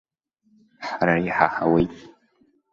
Ҳара иҳаҳауеит!